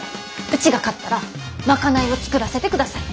うちが勝ったら賄いを作らせてください！